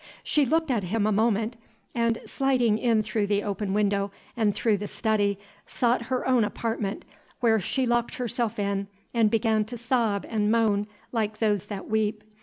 She looked at him a moment, and, sliding in through the open window and through the study, sought her own apartment, where she locked herself in, and began to sob and moan like those that weep.